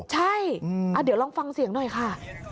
ใช่เดี๋ยวลองฟังเสียงหน่อยค่ะ